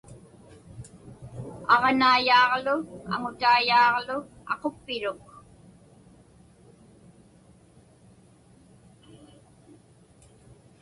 Aġnaiyaaġlu aŋutaiuyaaġlu aquppiruk.